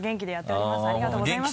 ありがとうございます。